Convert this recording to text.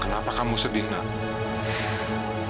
kenapa kamu sedih nak